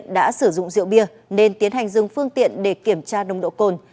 đã sử dụng rượu bia nên tiến hành dừng phương tiện để kiểm tra nồng độ cồn